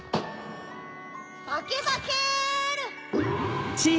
バケバケル！